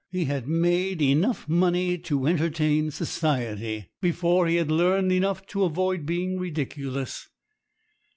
He had made enough money to entertain society before he had learned enough to avoid being ridiculous.